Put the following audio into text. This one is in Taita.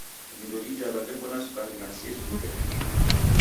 Vindo dijagha veko na sukari na siechuria ingi.